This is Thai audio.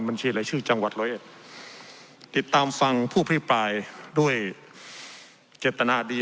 บัญชีรายชื่อจังหวัดร้อยเอ็ดติดตามฟังผู้พิปรายด้วยเจตนาดี